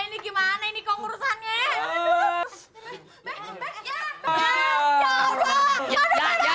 ini gimana ini kok urusannya